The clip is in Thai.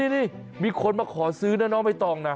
นี่มีคนมาขอซื้อน่ะเนอะไม่ต้องนะ